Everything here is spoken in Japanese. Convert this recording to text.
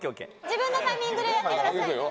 自分のタイミングでやってくださいね。